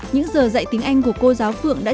những giờ dạy tiếng anh của cô giáo phượng đã